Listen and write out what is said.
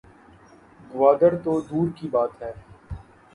گوادر تو دور کی بات ہے